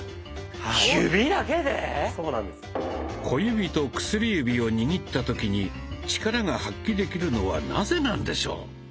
小指と薬指を握った時にチカラが発揮できるのはなぜなんでしょう？